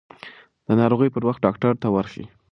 د ناروغۍ پر وخت ډاکټر ته ورشئ.